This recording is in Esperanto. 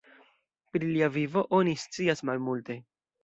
Pri lia vivo oni scias malmulte.